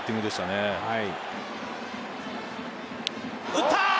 打ったー！